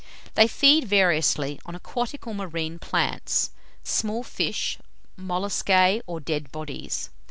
They feed variously, on aquatic or marine plants, small fish, molluscae, or dead bodies.